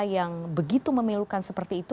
yang begitu memilukan seperti itu